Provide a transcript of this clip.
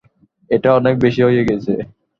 এটা অনেক বেশি হয়ে গেছে।